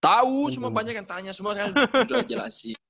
tau cuma banyak yang tanya semua sekarang udah jelasin